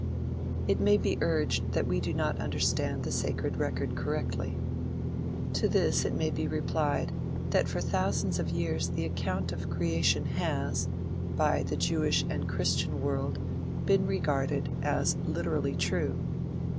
It may be urged that we do not understand the sacred record correctly. To this it may be replied that for thousands of years the account of the creation has, by the Jewish and Christian world, been regarded as literally true.